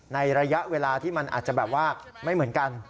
ในระยะเวลาที่มันอาจจะแบบว่าไม่เหมือนกัน